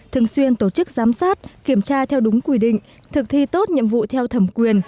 thường xuyên tổ chức giám sát kiểm tra theo đúng quy định thực thi tốt nhiệm vụ theo thẩm quyền